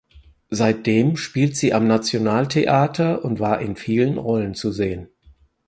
Seitdem spielt sie am Nationaltheater und war in vielen Rollen zu sehen.